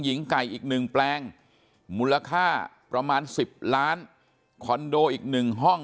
หญิงไก่อีกหนึ่งแปลงมูลค่าประมาณ๑๐ล้านคอนโดอีก๑ห้อง